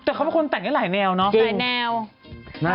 แต่เขาเป็นคนแต่งให้หลายแนวเนา